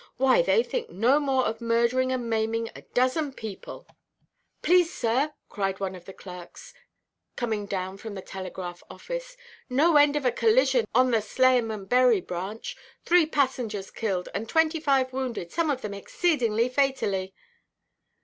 Why, they think no more of murdering and maiming a dozen people——" "Please, sir," cried one of the clerks, coming down from the telegraph office, "no end of a collision on the Slayham and Bury Branch. Three passengers killed, and twenty–five wounded, some of them exceedingly fatally."